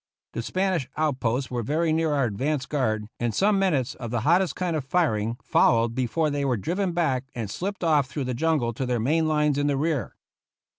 The Spanish outposts were very near our advance guard, and some minutes of the hottest kind of firing followed before they were driven back and slipped off through the jungle to their main lines in the rear.